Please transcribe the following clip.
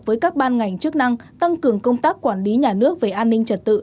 với các ban ngành chức năng tăng cường công tác quản lý nhà nước về an ninh trật tự